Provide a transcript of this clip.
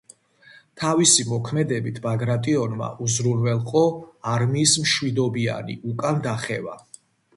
თავისი მოქმედებით ბაგრატიონმა უზრუნველჰყო არმიის მშვიდობიანი უკან დახევა.